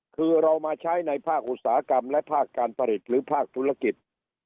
คือเรามาใช้ในภาคอุตสาหกรรมและภาคการผลิตหรือภาคธุรกิจ